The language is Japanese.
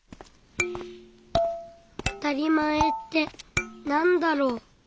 「あたりまえってなんだろう」。